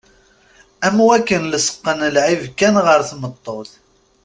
Am wakken lesqen lɛib kan ɣer tmeṭṭut.